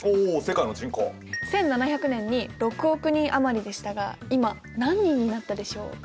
１７００年に６億人余りでしたが今何人になったでしょうか？